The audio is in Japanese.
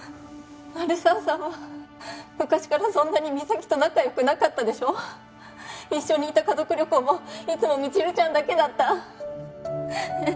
鳴沢さんは昔からそんなに実咲と仲良くなかったでしょ一緒に行った家族旅行もいつも未知留ちゃんだけだったねえ